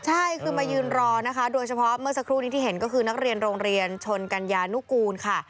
ใช่คือมายืนรอนะคะโดยเฉพาะเมื่อสักครู่นี้ที่เห็นก็คือนักเรียนโรงเรียนชนกัญญานุกูลค่ะ